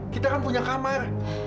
kita kan punya kamar